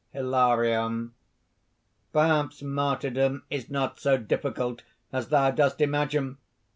ANTHONY. "Perhaps martyrdom is not so difficult as thou dost imagine!